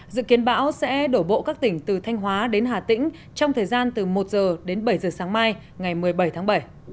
dự kiến bão sẽ đổ bộ các tỉnh từ thanh hóa đến hà tĩnh trong thời gian từ một h đến bảy giờ sáng mai ngày một mươi bảy tháng bảy